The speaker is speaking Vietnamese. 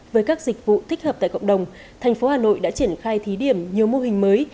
với các dịch vụ thích hợp tại cộng đồng thành phố hà nội đã triển khai thí điểm nhiều mô hình mới